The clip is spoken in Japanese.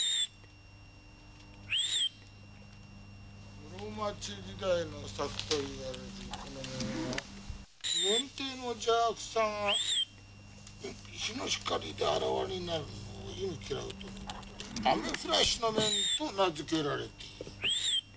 室町時代の作と言われるこの面は面体の邪悪さが日の光であらわになるのを忌み嫌うということで雨降らしの面と名づけられている。